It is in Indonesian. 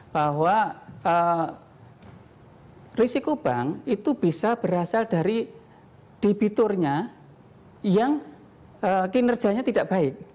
bahwa risiko bank itu bisa berasal dari debiturnya yang kinerjanya tidak baik